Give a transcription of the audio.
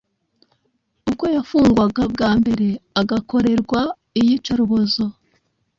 ubwo yafungwaga bwa mbere, agakorerwa iyicarubozo,